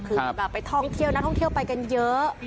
คือแบบไปท่องเที่ยวนักท่องเที่ยวไปกันเยอะ